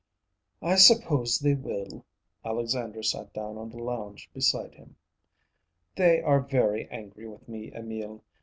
"I suppose they will." Alexandra sat down on the lounge beside him. "They are very angry with me, Emil.